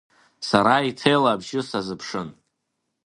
Сара иҭел абжьы сазыԥшын.